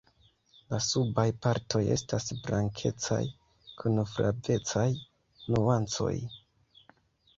La subaj partoj estas blankecaj kun flavecaj nuancoj.